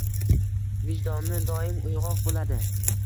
Vijdoni doim uyg`oq bo`ladi